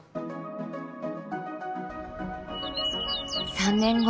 ３年後。